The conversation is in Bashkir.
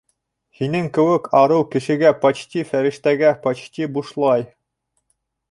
Һинең кеүек арыу кешегә, почти фәрештәгә, почти бушлай.